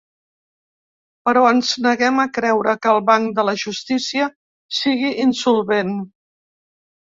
Però ens neguem a creure que el banc de la justícia sigui insolvent.